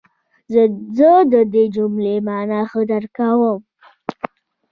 زه د دې جملې مانا ښه درک کوم.